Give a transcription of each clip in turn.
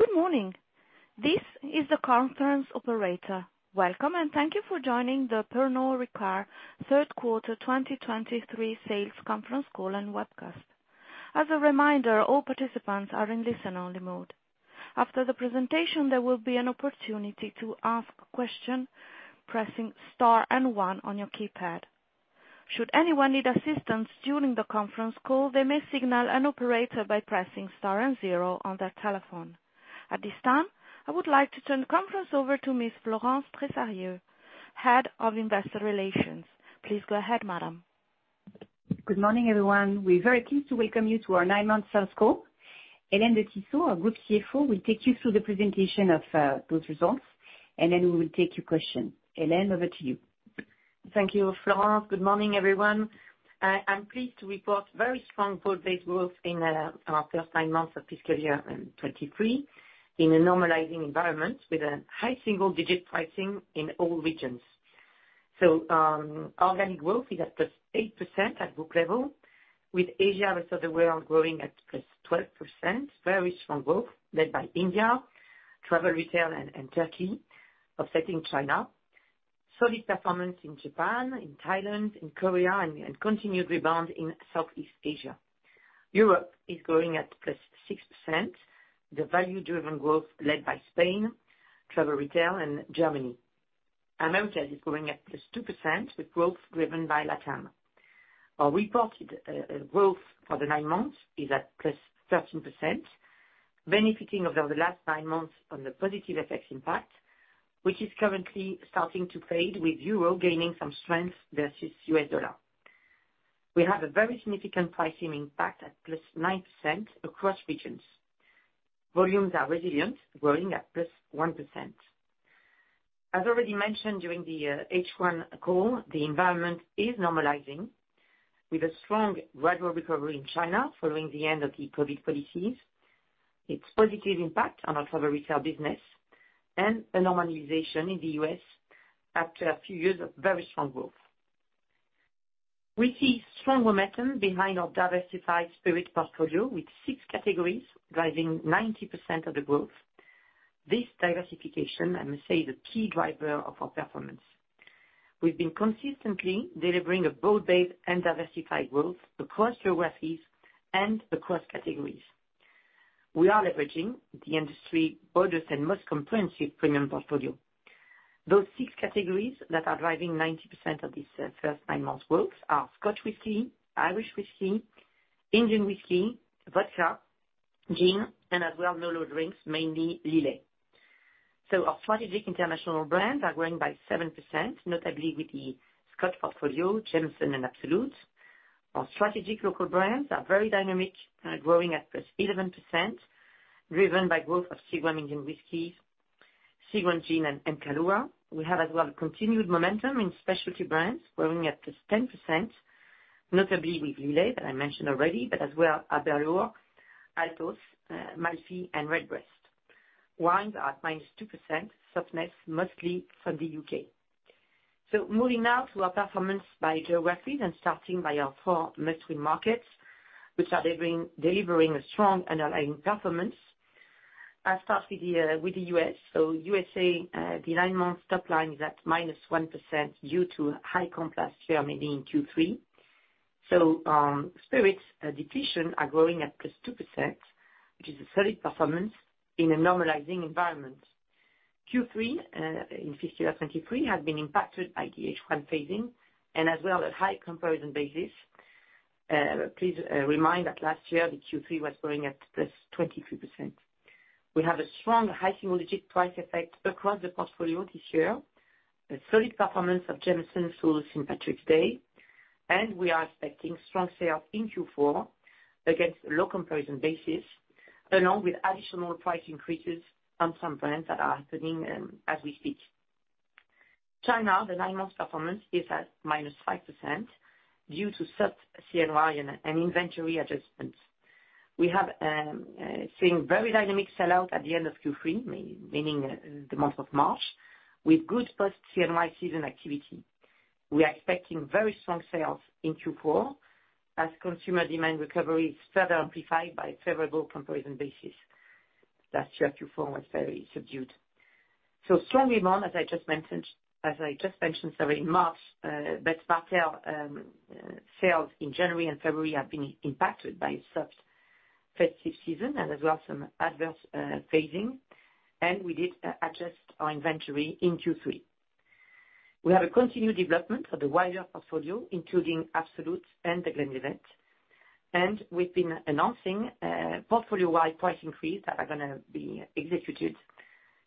Good morning. This is the conference operator. Welcome, and thank you for joining the Pernod Ricard third quarter 2023 sales conference call and webcast. As a reminder, all participants are in listen-only mode. After the presentation, there will be an opportunity to ask question pressing star and one on your keypad. Should anyone need assistance during the conference call, they may signal an operator by pressing star and zero on their telephone. At this time, I would like to turn the conference over to Ms. Florence Tresarrieu, Head of Investor Relations. Please go ahead, madam. Good morning, everyone. We're very pleased to welcome you to our nine-month sales call. Hélène de Tissot, our Group CFO, will take you through the presentation of those results, and then we will take your question. Hélène, over to you. Thank you, Florence. Good morning, everyone. I'm pleased to report very strong broad-based growth in our first nine months of fiscal year 2023, in a normalizing environment with a high single-digit pricing in all regions. Organic growth is at +8% at book level, with Asia rest of the world growing at +12%. Very strong growth led by India, travel retail and Turkey offsetting China. Solid performance in Japan, in Thailand, in Korea, and continued rebound in Southeast Asia. Europe is growing at +6%. The value-driven growth led by Spain, travel retail and Germany. Americas is growing at +2% with growth driven by LatAm. Our reported growth for the nine months is at +13%, benefiting over the last nine months from the positive FX impact, which is currently starting to fade with euro gaining some strength versus U.S. dollar. We have a very significant pricing impact at +9% across regions. Volumes are resilient, growing at +1%. As already mentioned during the H1 call, the environment is normalizing with a strong gradual recovery in China following the end of the COVID policies. It's positive impact on our travel retail business and a normalization in the U.S. after a few years of very strong growth. We see strong momentum behind our diversified spirit portfolio with 6 categories driving 90% of the growth. This diversification, I must say, is a key driver of our performance. We've been consistently delivering a broad-based and diversified growth across geographies and across categories. We are leveraging the industry broadest and most comprehensive premium portfolio. Those six categories that are driving 90% of this first nine months growth are Scotch whisky, Irish whiskey, Indian whisky, vodka, gin and as well no low drinks, mainly Lillet. Our Strategic International Brands are growing by 7%, notably with the Scotch portfolio, Jameson and Absolut. Our Strategic Local Brands are very dynamic, growing at +11%, driven by growth of Seagram's Indian Whisky, Seagram's Gin and Kahlúa. We have as well continued momentum in Specialty Brands growing at +10%, notably with Lillet, that I mentioned already, but as well Aberlour, Altos, Malfy and Redbreast. Wines are at -2%, softness mostly from the U.K.. Moving now to our performance by geographies and starting by our four maturing markets, which are delivering a strong underlying performance. I'll start with the U.S. U.S., the 9 months top line is at -1% due to high comp last year, mainly in Q3. Spirits depletion are growing at +2%, which is a solid performance in a normalizing environment. Q3 in fiscal year 2023 has been impacted by the H1 phasing and as well as high comparison basis. Please remind that last year the Q3 was growing at +23%. We have a strong high single digit price effect across the portfolio this year. A solid performance of Jameson sold St. Patrick's Day. We are expecting strong sales in Q4 against low comparison basis, along with additional price increases on some brands that are happening as we speak. China, the nine months performance is at -5% due to sub CNY and inventory adjustments. We have seen very dynamic sell-out at the end of Q3, may, meaning the month of March, with good post CNY season activity. We are expecting very strong sales in Q4 as consumer demand recovery is further amplified by favorable comparison basis. Last year, Q4 was very subdued. Strong demand, as I just mentioned, sorry, in March, but Martell sales in January and February have been impacted by soft festive season and as well some adverse phasing. We did adjust our inventory in Q3. We have a continued development for the wider portfolio, including Absolut and the Glenlivet. We've been announcing portfolio-wide price increase that are gonna be executed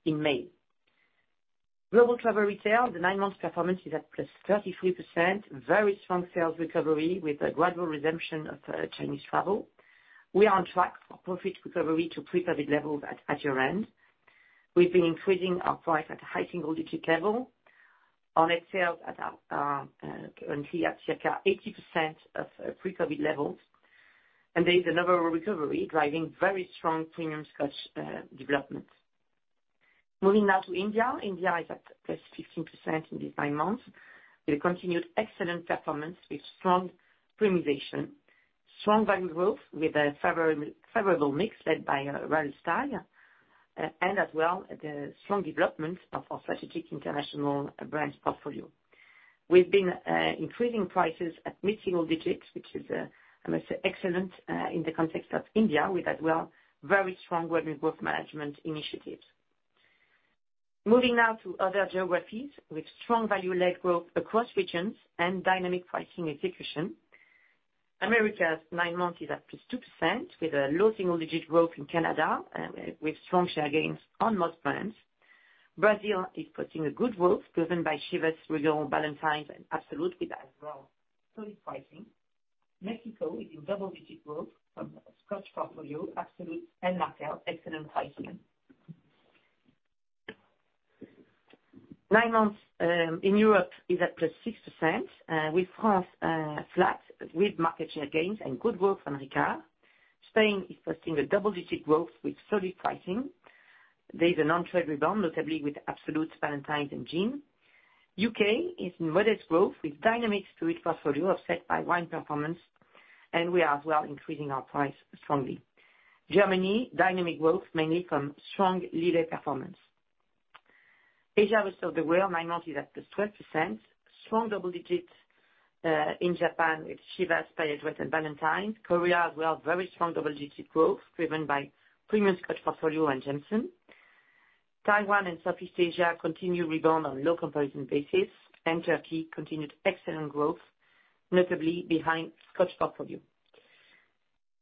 in May. Global travel retail, the nine months performance is at +33%. Very strong sales recovery with a gradual resumption of Chinese travel. We are on track for profit recovery to pre-COVID levels at year-end. We've been increasing our price at a high single-digit level. Our sales currently at circa 80% of pre-COVID levels. There is a notable recovery driving very strong premium Scotch development. Moving now to India. India is at plus 15% in these nine months with continued excellent performance with strong premiumization, strong volume growth with a favorable mix led by Royal Stag, and as well the strong development of our Strategic International Brands portfolio. We've been increasing prices at mid-single digits, which is, I must say, excellent in the context of India with as well very strong Revenue Growth Management initiatives. Moving now to other geographies with strong value-led growth across regions and dynamic pricing execution. Americas 9 months is up +2% with a low single-digit growth in Canada with strong share gains on most brands. Brazil is posting a good growth driven by Chivas Regal, Ballantine's and Absolut with as well solid pricing. Mexico is in double-digit growth from Scotch portfolio, Absolut and Martell. Excellent pricing. Nine months in Europe is at +6% with France flat with market share gains and good growth from Ricard. Spain is posting a double-digit growth with solid pricing. There is an on-trade rebound, notably with Absolut, Ballantine's and gin. U.K. is in modest growth with dynamic spirit portfolio offset by wine performance, and we are as well increasing our price strongly. Germany, dynamic growth mainly from strong lead performance. Asia rest of the world, nine months is at +12%. Strong double digits in Japan with Chivas, Pernod and Ballantine's. Korea as well, very strong double-digit growth driven by premium Scotch portfolio and Jameson. Taiwan and Southeast Asia continue rebound on low comparison basis. Turkey continued excellent growth, notably behind Scotch portfolio.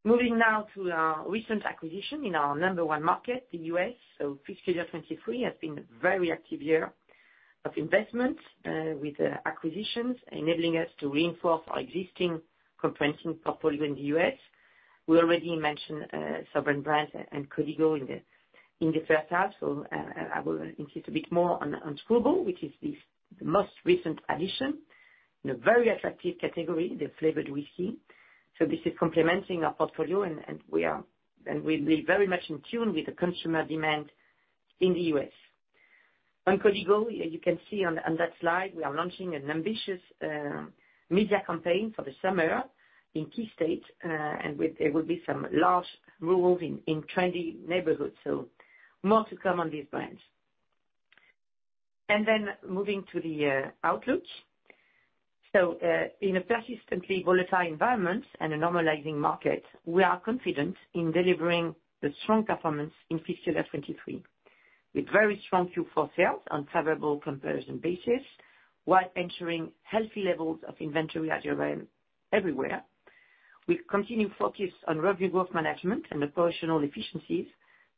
Moving now to our recent acquisition in our number one market, the U.S. Fiscal year 2023 has been a very active year of investment with acquisitions enabling us to reinforce our existing comprehensive portfolio in the U.S. We already mentioned, Sovereign Brands and Código in the first half, so I will insist a bit more on Skrewball, which is the most recent addition in a very attractive category, the flavored whiskey. This is complementing our portfolio and we're very much in tune with the consumer demand in the U.S. On Código, you can see on that slide, we are launching an ambitious, media campaign for the summer in key states, and with there will be some large rules in trendy neighborhoods. More to come on these brands. Moving to the outlook. In a persistently volatile environment and a normalizing market, we are confident in delivering the strong performance in fiscal year 2023 with very strong Q4 sales on favorable comparison basis while ensuring healthy levels of inventory everywhere, with continued focus on Revenue Growth Management and operational efficiencies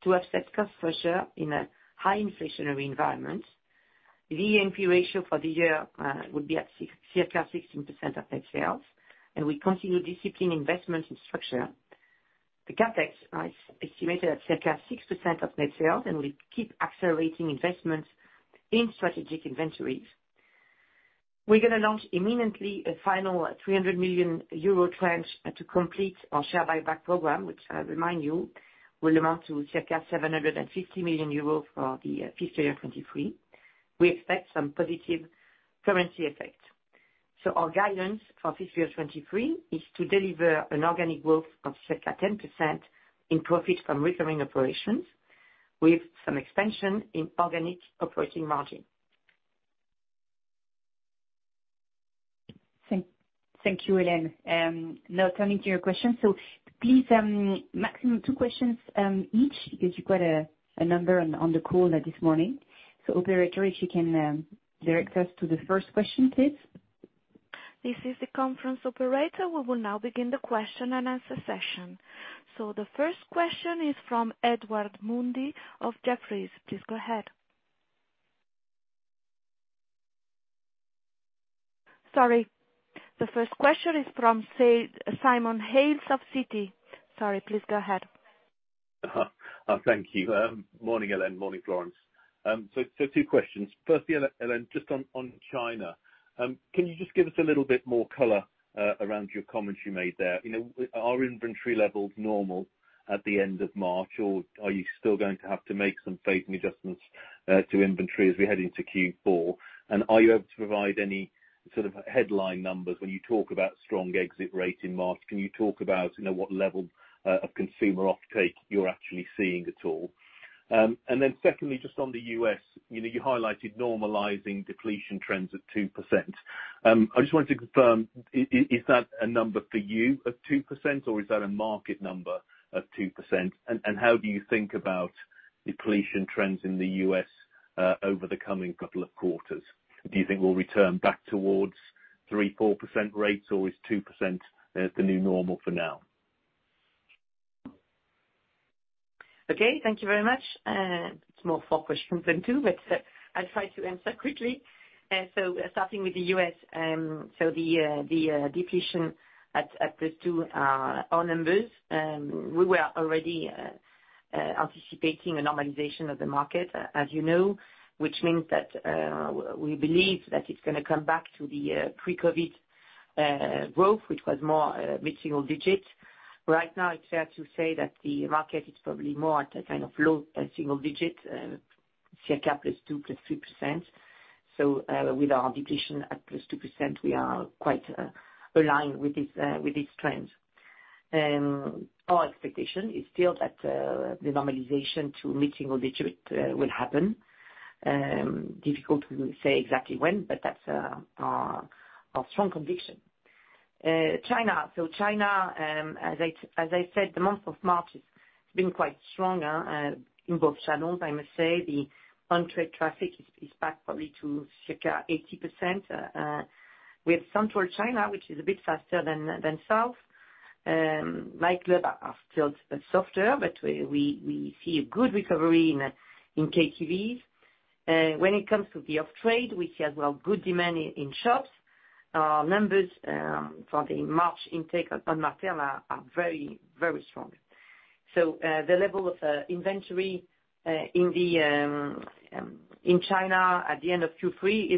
to offset cost pressure in a high inflationary environment. The A&P ratio for the year would be at circa 16% of net sales, and we continue disciplined investment in structure. The CapEx is estimated at circa 6% of net sales, and we keep accelerating investments in strategic inventories. We're gonna launch imminently a final 300 million euro tranche to complete our share buyback program, which I remind you will amount to circa 750 million euro for the fiscal year 2023. We expect some positive currency effect. Our guidance for fiscal year 2023 is to deliver an organic growth of circa 10% in Profit from Recurring Operations with some expansion in organic operating margin. Thank you, Hélène. Now turning to your questions. Please, maximum two questions each because you've got a number on the call this morning. Operator, if you can direct us to the first question, please. This is the conference operator. We will now begin the question-and-answer session. The first question is from Edward Mundy of Jefferies. Please go ahead. Sorry. The first question is from Simon Hales of Citi. Sorry. Please go ahead. Thank you. Morning, Hélène, morning, Florence. So two questions. Firstly, Hélène, just on China, can you just give us a little bit more color around your comments you made there? You know, are inventory levels normal at the end of March, or are you still going to have to make some seasonal adjustments to inventory as we head into Q4? Are you able to provide any sort of headline numbers when you talk about strong exit rate in March? Can you talk about, you know, what level of consumer uptake you're actually seeing at all? Secondly, just on the US, you know, you highlighted normalizing depletion trends of 2%. I just wanted to confirm, is that a number for you of 2% or is that a market number of 2%? How do you think about depletion trends in the U.S. over the coming couple of quarters? Do you think we'll return back towards 3%-4% rates or is 2% the new normal for now? Okay. Thank you very much. It's more four questions than two, but I'll try to answer quickly. Starting with the U.S., the depletion at the two are numbers. We were already anticipating a normalization of the market, as you know, which means that we believe that it's gonna come back to the pre-COVID growth, which was more mid-single digits. Right now, it's fair to say that the market is probably more at a kind of low single digit circa +2%, +3%. With our deflation at +2%, we are quite aligned with this trend. Our expectation is still that the normalization to mid-single digit will happen. Difficult to say exactly when, but that's our strong conviction. China. China, as I said, the month of March has been quite strong in both channels. I must say the on-trade traffic is back probably to circa 80%. With Central China, which is a bit faster than South. Night club are still softer, but we see a good recovery in KTVs. When it comes to the off-trade, we see as well good demand in shops. Our numbers for the March intake on Martell are very, very strong. The level of inventory in China at the end of Q3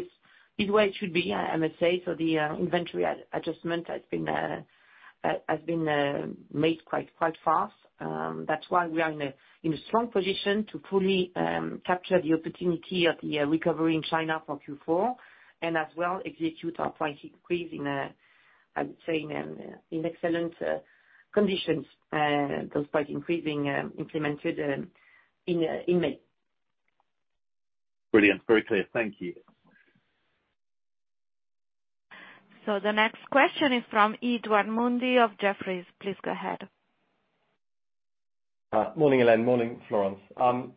is where it should be, I must say. The inventory adjustment has been made quite fast. That's why we are in a strong position to fully capture the opportunity of the recovery in China for Q4 and as well execute our price increase in I would say, excellent conditions, those price increasing implemented in May. Brilliant. Very clear. Thank you. The next question is from Edward Mundy of Jefferies. Please go ahead. Morning, Hélène. Morning, Florence. Two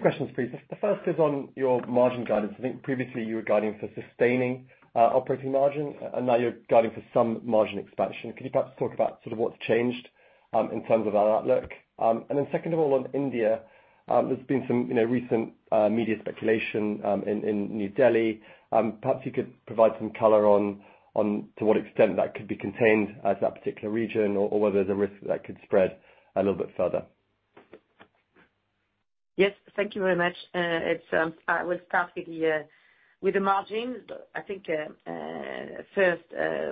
questions, please. The first is on your margin guidance. I think previously you were guiding for sustaining operating margin, and now you're guiding for some margin expansion. Could you perhaps talk about sort of what's changed in terms of that outlook? Second of all, on India, there's been some, you know, recent media speculation in New Delhi. Perhaps you could provide some color on to what extent that could be contained at that particular region or whether there's a risk that could spread a little bit further. Yes. Thank you very much. It's, I will start with the margins. I think, first,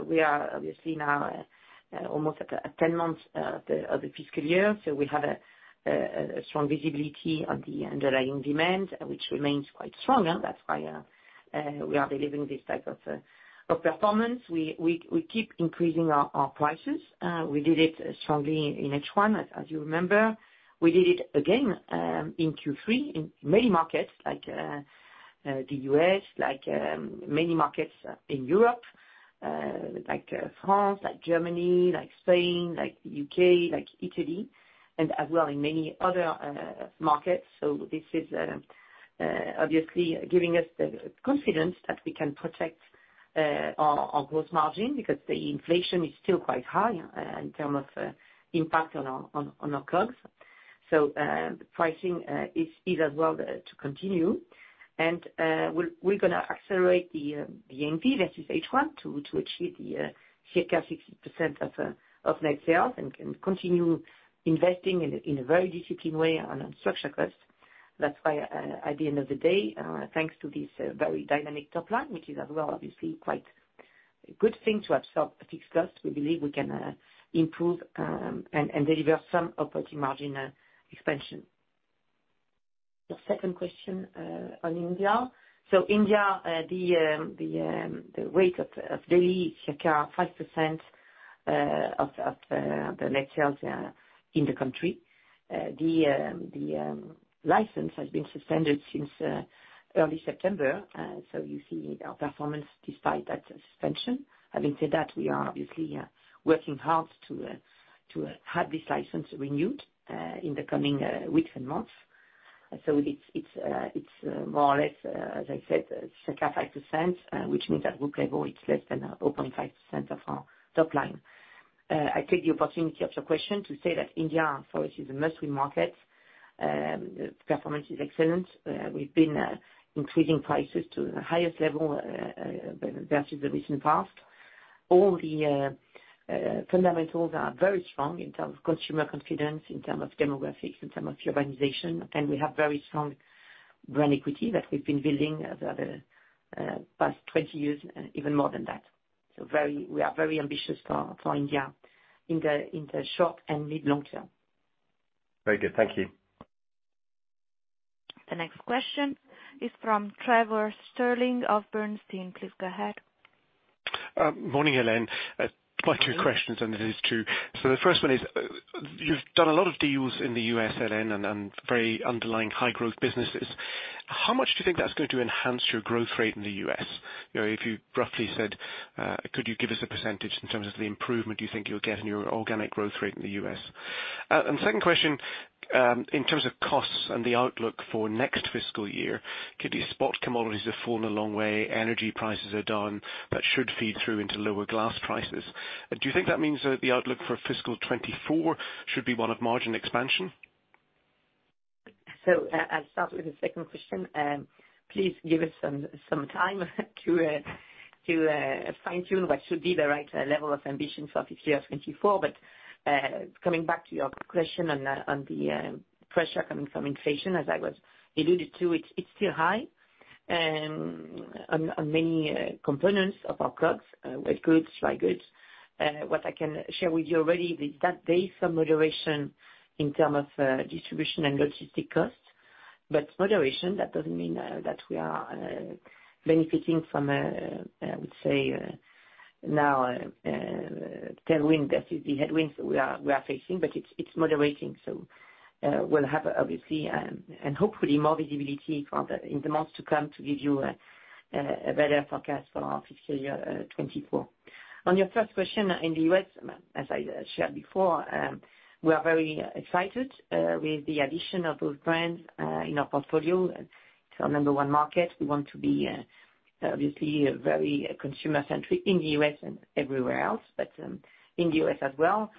we are obviously now almost at a 10 month of the fiscal year, so we have a strong visibility on the underlying demand which remains quite strong. That's why we are delivering this type of performance. We keep increasing our prices. We did it strongly in H1, as you remember. We did it again in Q3 in many markets like the U.S., like many markets in Europe, like France, like Germany, like Spain, like U.K., like Italy, and as well in many other markets. This is obviously giving us the confidence that we can protect our gross margin because the inflation is still quite high in term of impact on our COGS. Pricing is as well to continue. We're gonna accelerate the A&P versus H1 to achieve the circa 60% of net sales and can continue investing in a very disciplined way on structure costs. That's why at the end of the day, thanks to this very dynamic top line, which is as well obviously quite a good thing to absorb fixed costs, we believe we can improve and deliver some operating margin expansion. The second question on India. India, the weight of Delhi, circa 5%, of the net sales in the country. The license has been suspended since early September. You see our performance despite that suspension. Having said that, we are obviously working hard to have this license renewed in the coming weeks and months. It's more or less, as I said, circa 5%, which means at group level it's less than 0.5% of our top line. I take the opportunity of your question to say that India for us is a mostly market. Performance is excellent. We've been increasing prices to the highest level versus the recent past. All the fundamentals are very strong in terms of consumer confidence, in terms of demographics, in terms of urbanization. Again, we have very strong brand equity that we've been building over the past 20 years and even more than that. We are very ambitious for India in the short and mid long term. Very good. Thank you. The next question is from Trevor Stirling of Bernstein. Please go ahead. Morning, Hélène. Quite two questions. The first one is, you've done a lot of deals in the U.S., Hélène, and very underlying high growth businesses. How much do you think that's going to enhance your growth rate in the U.S.? You know, if you roughly said, could you give us a percentage in terms of the improvement you think you'll get in your organic growth rate in the U.S.? Second question, in terms of costs and the outlook for next fiscal year, could you spot commodities have fallen a long way, energy prices are down, that should feed through into lower glass prices. Do you think that means that the outlook for fiscal 2024 should be one of margin expansion? I'll start with the second question. Please give us some time to fine-tune what should be the right level of ambition for fiscal year 2024. Coming back to your question on the pressure coming from inflation, as I was alluded to, it's still high. On many components of our costs, wet goods, dry goods, what I can share with you already is that there is some moderation in term of distribution and logistic costs, but moderation, that doesn't mean that we are benefiting from, I would say, now tailwind versus the headwinds we are facing, but it's moderating. we'll have obviously, and hopefully more visibility for the, in the months to come to give you a better forecast for our fiscal year 2024. On your first question, in the U.S., as I shared before, we are very excited with the addition of those brands in our portfolio. It's our number one market. We want to be obviously very consumer-centric in the U.S. and everywhere else, but in the U.S. as well.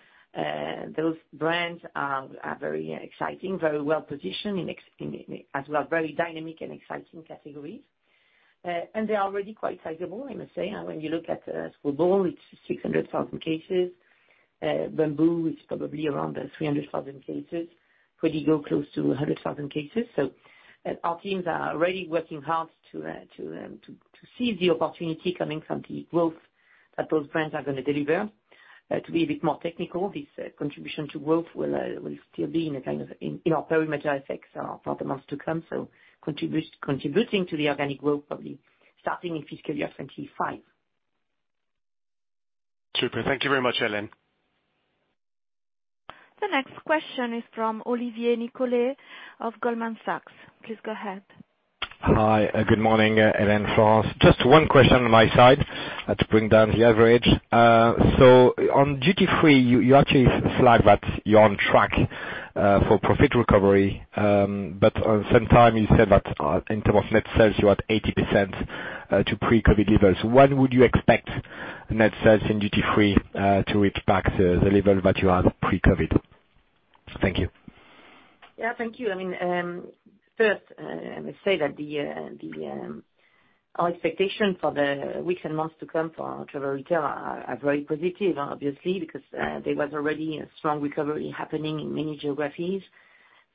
Those brands are very exciting, very well-positioned in, as well, very dynamic and exciting categories. They are already quite sizable, I must say. When you look at Skrewball, it's 600,000 cases. Bumbu, it's probably around 300,000 cases. Código, close to 100,000 cases. Our teams are already working hard to seize the opportunity coming from the growth that those brands are gonna deliver. To be a bit more technical, this contribution to growth will still be in a kind of in our perimeter effects for the months to come. Contributing to the organic growth, probably starting in fiscal year 2025. Super. Thank you very much, Hélène. The next question is from Olivier Nicolaï of Goldman Sachs. Please go ahead. Hi, good morning, Hélène, Florence. Just one question on my side to bring down the average. On duty-free, you actually flag that you're on track for profit recovery. On same time, you said that in terms of net sales, you're at 80% to pre-COVID levels. When would you expect net sales in duty-free to reach back the level that you had pre-COVID? Thank you. Yeah, thank you. I mean, first, I must say that the our expectation for the weeks and months to come for travel retail are very positive, obviously, because there was already a strong recovery happening in many geographies.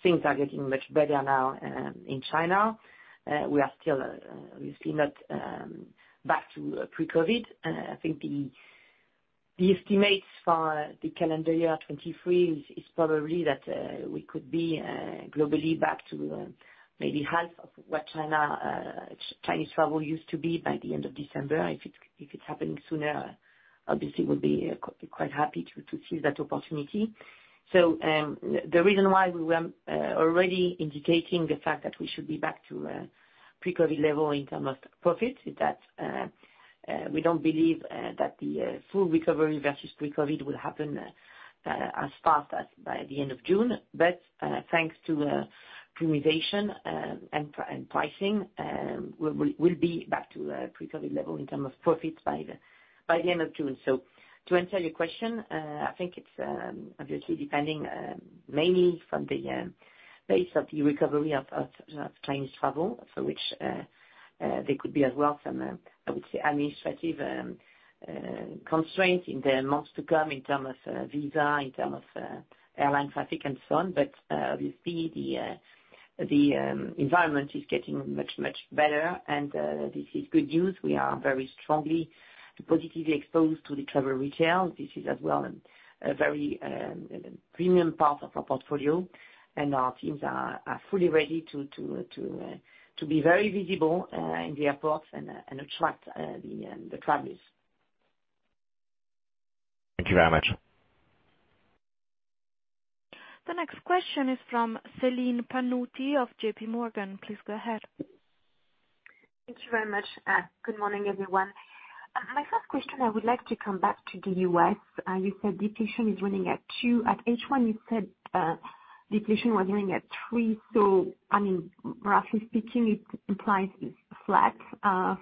Things are getting much better now in China. We are still obviously not back to pre-COVID. I think the estimates for the calendar year 2023 is probably that we could be globally back to maybe half of what China Chinese travel used to be by the end of December. If it's happening sooner, obviously we'll be quite happy to seize that opportunity. The reason why we were already indicating the fact that we should be back to pre-COVID level in term of profit is that we don't believe that the full recovery versus pre-COVID will happen as fast as by the end of June. Thanks to premiumization and pricing, we'll be back to pre-COVID level in term of profits by the end of June. To answer your question, I think it's obviously depending mainly from the pace of the recovery of Chinese travel, for which there could be as well some I would say administrative constraints in the months to come in term of visa, in term of airline traffic and so on. Obviously the environment is getting much, much better and this is good news. We are very strongly positively exposed to the travel retail. This is as well a very premium part of our portfolio and our teams are fully ready to be very visible in the airports and attract the travelers. Thank you very much. The next question is from Celine Pannuti of JPMorgan. Please go ahead. Thank you very much. Good morning, everyone. My first question, I would like to come back to the U.S. You said depletion is running at 2%. At H1, you said depletion was running at 3%. I mean, roughly speaking, it implies it's flat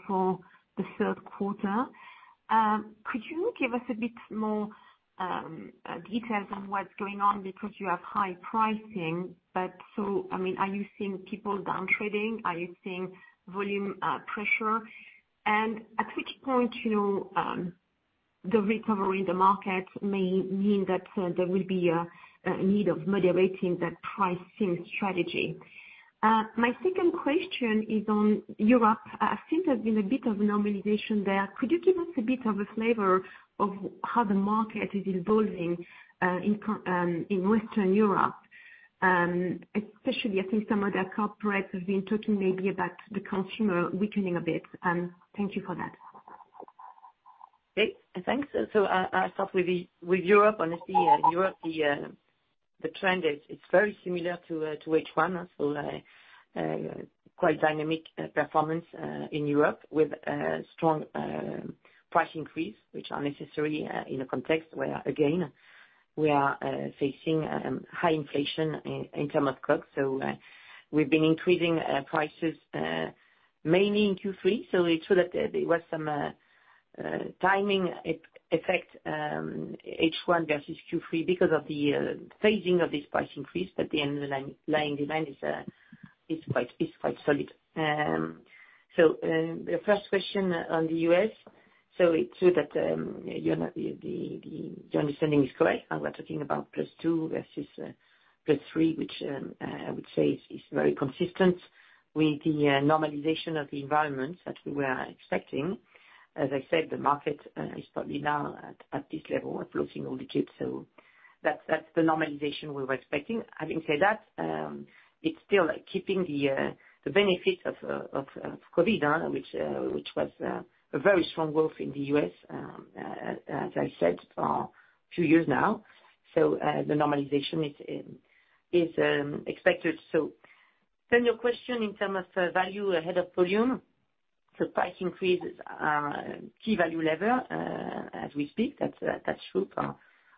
for the third quarter. Could you give us a bit more details on what's going on because you have high pricing, I mean, are you seeing people downtrading? Are you seeing volume pressure? At which point, you know, the recovery in the market may mean that there will be a need of moderating that pricing strategy? My second question is on Europe. Seems there's been a bit of normalization there. Could you give us a bit of a flavor of how the market is evolving in Western Europe? Especially I think some of the corporates have been talking maybe about the consumer weakening a bit. Thank you for that. Okay, thanks. I'll start with Europe. Honestly, in Europe the trend is very similar to H1. Quite dynamic performance in Europe with strong price increase, which are necessary in a context where again, we are facing high inflation in term of costs. We've been increasing prices mainly in Q3. It's true that there was some timing effect H1 versus Q3 because of the phasing of this price increase but at the end, the underlying demand is quite solid. The first question on the US. It's true that, you know, the your understanding is correct. We're talking about +2% versus +3%, which I would say is very consistent with the normalization of the environment that we were expecting. As I said, the market is probably now at this level of low single-digits. That's the normalization we were expecting. Having said that, it's still keeping the benefit of COVID, which was a very strong growth in the U.S., as I said for a few years now. The normalization is expected. Your question in terms of value ahead of volume. Price increases are key value lever as we speak. That's true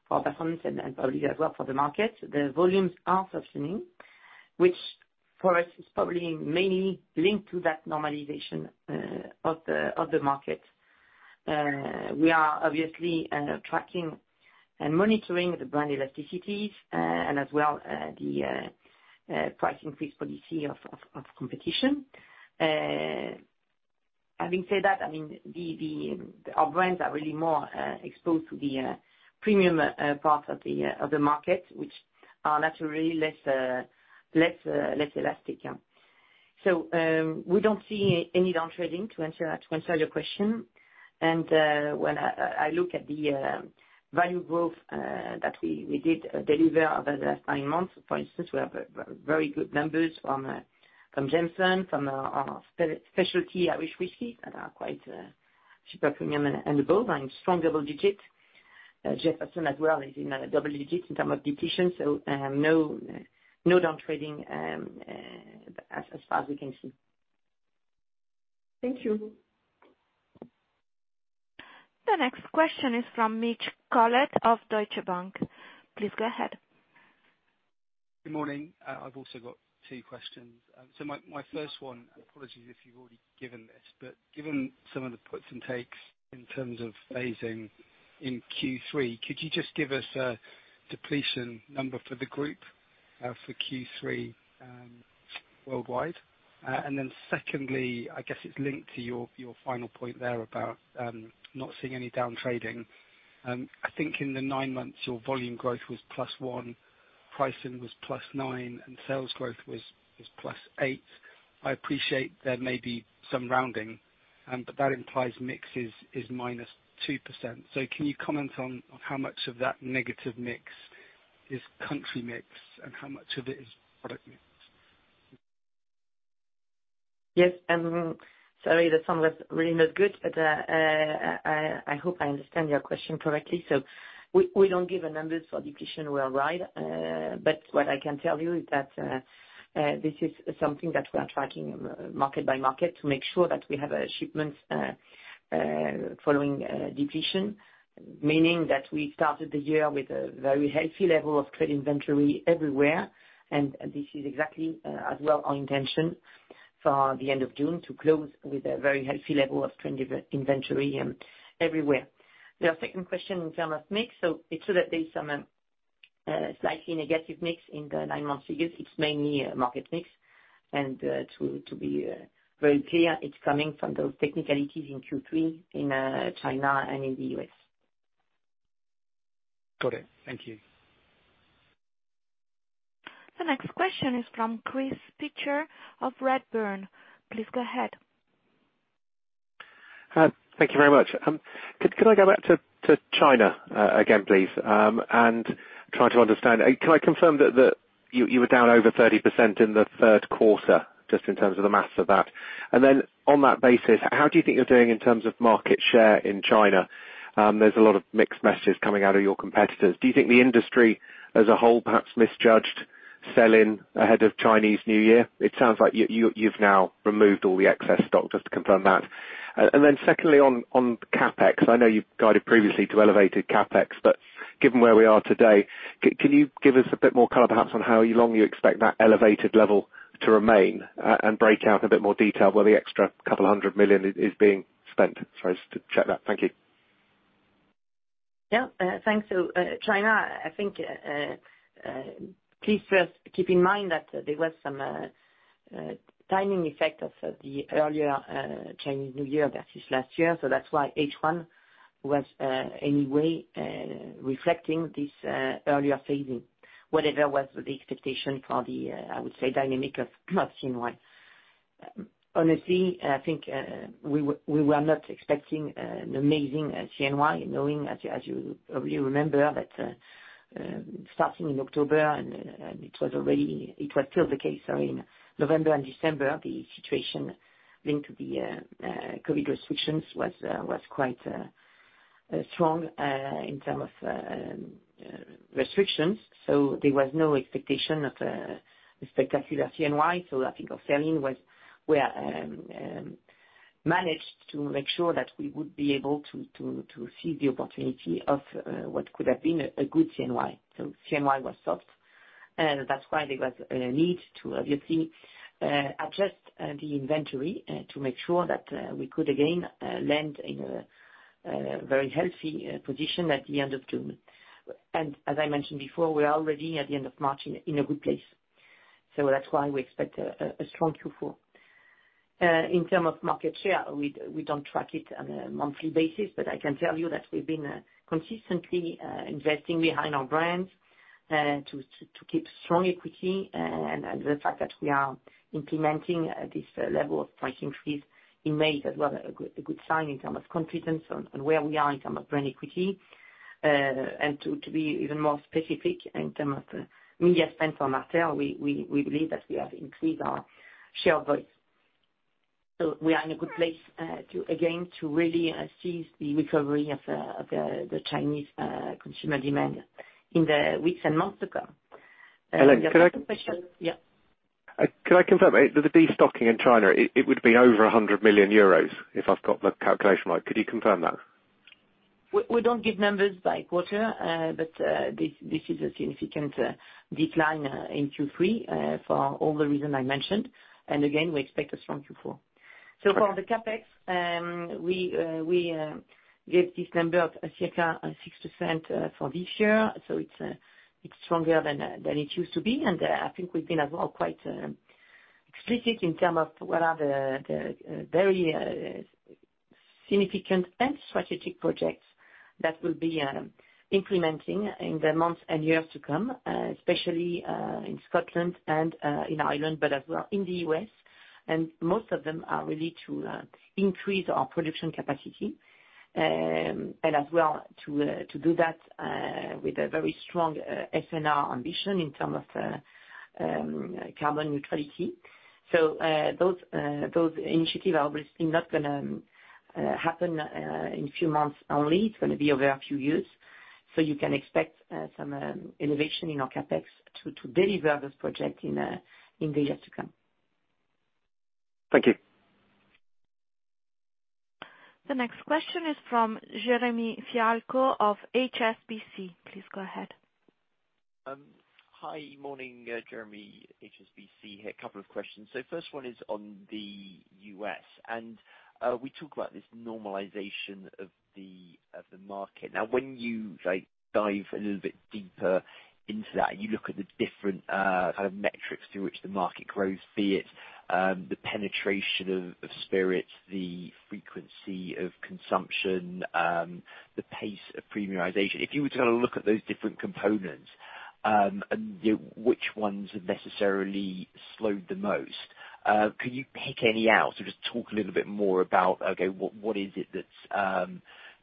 for performance and probably as well for the market. The volumes are softening, which for us is probably mainly linked to that normalization of the market. We are obviously tracking and monitoring the brand elasticities and as well the price increase policy of competition. Having said that, I mean, our brands are really more exposed to the premium part of the market, which are naturally less elastic. We don't see any downtrading to answer your question. When I look at the value growth that we did deliver over the last 9 months, for instance, we have very good numbers from Jameson, from our specialty Irish whiskey that are quite super premium and above and strong double digits. Jefferson's as well is in double digits in terms of depletion. No, no downtrading, as far as we can see. Thank you. The next question is from Mitch Collett of Deutsche Bank. Please go ahead. Good morning. I've also got two questions. My first one, apologies if you've already given this, but given some of the puts and takes in terms of phasing in Q3, could you just give us a depletion number for the group for Q3 worldwide? Secondly, I guess it's linked to your final point there about not seeing any down trading. I think in the nine months, your volume growth was +1%, pricing was +9%, and sales growth was +8%. I appreciate there may be some rounding, but that implies mix is -2%. Can you comment on how much of that negative mix is country mix and how much of it is product mix? Yes. Sorry, the sound was really not good, but I hope I understand your question correctly. We don't give the numbers for depletion rate, but what I can tell you is that this is something that we are tracking market by market to make sure that we have shipments following depletion. Meaning that we started the year with a very healthy level of trade inventory everywhere. This is exactly as well our intention for the end of June to close with a very healthy level of trade inventory everywhere. Your second question in terms of mix, it's true that there is some slightly negative mix in the nine-month figures. It's mainly a market mix. To be very clear, it's coming from those technicalities in Q3 in China and in the U.S. Got it. Thank you. The next question is from Chris Pitcher of Redburn. Please go ahead. Thank you very much. Could I go back to China again, please, and try to understand. Can I confirm that you were down over 30% in the third quarter just in terms of the maths of that? On that basis, how do you think you're doing in terms of market share in China? There's a lot of mixed messages coming out of your competitors. Do you think the industry as a whole perhaps misjudged selling ahead of Chinese New Year? It sounds like you've now removed all the excess stock. Just to confirm that. Secondly, on CapEx, I know you've guided previously to elevated CapEx, given where we are today, can you give us a bit more color perhaps on how long you expect that elevated level to remain, and break out a bit more detail where the extra EUR couple hundred million is being spent for us to check that? Thank you. Yeah. Thanks. China, I think, please first keep in mind that there was some timing effect of the earlier Chinese New Year versus last year. That's why H1 was anyway reflecting this earlier phasing, whatever was the expectation for the I would say dynamic of CNY. Honestly, I think, we were not expecting an amazing CNY knowing as you, as you probably remember that, starting in October, and it was already, it was still the case, sorry, in November and December, the situation linked to the COVID restrictions was quite strong in terms of restrictions. There was no expectation of a spectacular CNY. I think our selling were managed to make sure that we would be able to seize the opportunity of what could have been a good CNY. CNY was soft, and that's why there was a need to obviously adjust the inventory to make sure that we could again land in a very healthy position at the end of June. As I mentioned before, we are already at the end of March in a good place. That's why we expect a strong Q4. in term of market share, we don't track it on a monthly basis, but I can tell you that we've been consistently investing behind our brands to keep strong equity and the fact that we are implementing this level of price increase in May as well, a good sign in term of confidence on where we are in term of brand equity. To be even more specific in term of media spend for Martell, we believe that we have increased our share of voice. We are in a good place to again, to really seize the recovery of the Chinese consumer demand in the weeks and months to come. Hélène. Yeah. Can I confirm, the destocking in China, it would be over 100 million euros if I've got the calculation right. Could you confirm that? We don't give numbers by quarter, but this is a significant decline in Q3 for all the reason I mentioned, and again, we expect a strong Q4. For the CapEx, we gave this number of circa 6% for this year. It's stronger than it used to be. I think we've been as well quite explicit in term of what are the very significant and strategic projects that we'll be implementing in the months and years to come, especially in Scotland and in Ireland, but as well in the U.S. Most of them are really to increase our production capacity, and as well to to do that with a very strong S&R ambition in terms of carbon neutrality. Those those initiatives are obviously not going to happen in few months only. It's going to be over a few years. You can expect some innovation in our CapEx to to deliver this project in the years to come. Thank you. The next question is from Jeremy Fialko of HSBC. Please go ahead. Hi. Morning. Jeremy, HSBC here. A couple of questions. First one is on the U.S., and we talk about this normalization of the market. When you, like, dive a little bit deeper into that and you look at the different kind of metrics through which the market grows, be it the penetration of spirits, the frequency of consumption, the pace of premiumization. If you were to look at those different components, and, you know, which ones have necessarily slowed the most, could you pick any out? Just talk a little bit more about, okay, what is it that's,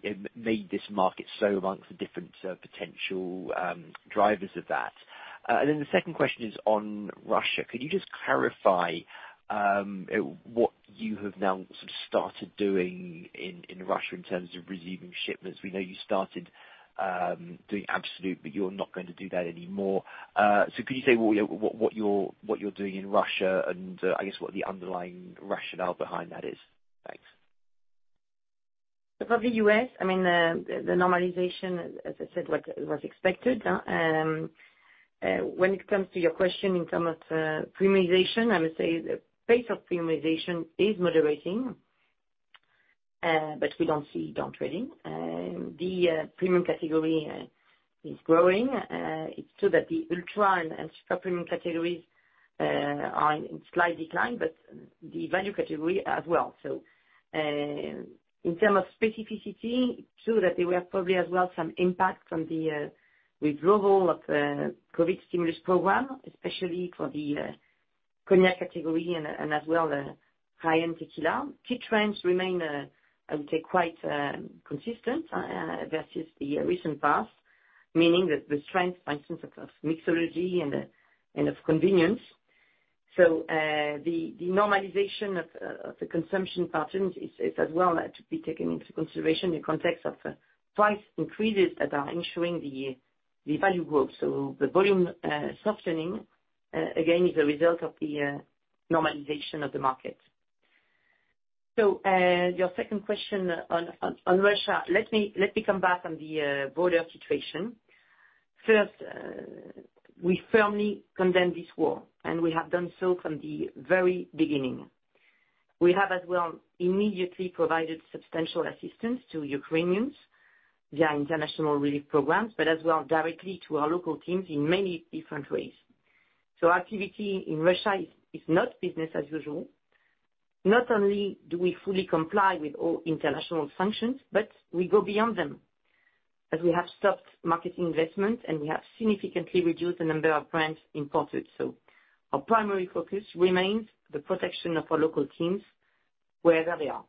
you know, made this market slow amongst the different potential drivers of that. Then the second question is on Russia. Could you just clarify what you have now sort of started doing in Russia in terms of receiving shipments? We know you started doing Absolut, you're not going to do that anymore. Could you say what you're doing in Russia and I guess what the underlying rationale behind that is? Thanks. For the U.S., I mean, the normalization, as I said, was expected when it comes to your question in term of premiumization, I would say the pace of premiumization is moderating, but we don't see downtrading. The premium category is growing. It's true that the ultra and super premium categories are in slight decline, but the value category as well. In term of specificity, true that there were probably as well some impact from the withdrawal of COVID stimulus program, especially for the cognac category and as well the high-end tequila. Key trends remain, I would say, quite consistent versus the recent past, meaning that the trends, for instance, of mixology and of convenience. The normalization of the consumption patterns is as well to be taken into consideration in context of price increases that are ensuring the value growth. The volume softening again, is a result of the normalization of the market. Your second question on Russia. Let me come back on the broader situation. First, we firmly condemn this war, and we have done so from the very beginning. We have as well immediately provided substantial assistance to Ukrainians via international relief programs, but as well directly to our local teams in many different ways. Activity in Russia is not business as usual. Not only do we fully comply with all international sanctions, but we go beyond them as we have stopped marketing investment, and we have significantly reduced the number of brands imported. Our primary focus remains the protection of our local teams wherever they are.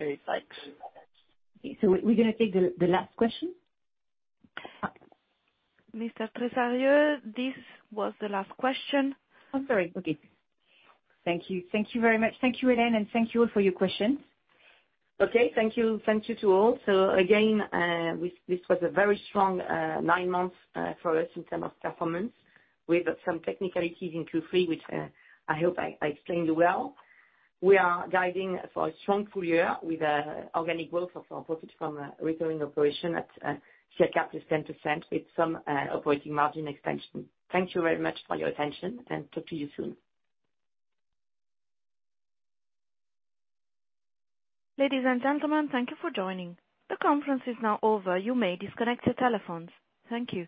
Okay, thanks. We're gonna take the last question. Ms. Tresarrieu, this was the last question. I'm sorry. Okay. Thank you. Thank you very much. Thank you, Hélène, and thank you all for your questions. Okay, thank you, thank you to all. Again, this was a very strong nine months for us in term of performance. We've some technicalities in Q3, which I hope I explained well. We are guiding for a strong full year with organic growth of our Profit from Recurring Operations at circa just 10% with some operating margin expansion. Thank you very much for your attention and talk to you soon. Ladies and gentlemen, thank you for joining. The conference is now over. You may disconnect your telephones. Thank you.